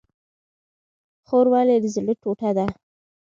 خور ولې د زړه ټوټه ده؟